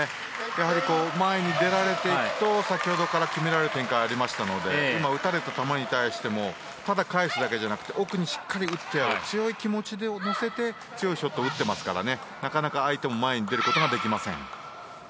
前に出られていくと先ほどから決められる展開がありましたので今、打たれた球に対してもただ返すだけじゃなくて奥にしっかり打って強い気持ちを乗せて強いショット打ってますからなかなか相手も前に出ることができません。